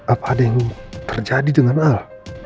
apa ada yang terjadi dengan alam